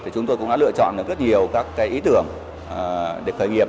chúng tôi cũng đã lựa chọn rất nhiều các ý tưởng để khởi nghiệp